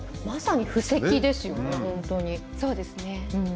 まさに布石ですよね。